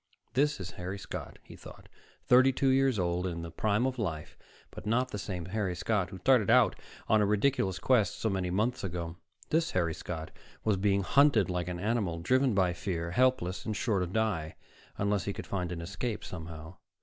This is Harry Scott, he thought, thirty two years old, and in the prime of life, but not the same Harry Scott who started out on a ridiculous quest so many months ago. This Harry Scott was being hunted like an animal, driven by fear, helpless, and sure to die, unless he could find an escape, somehow.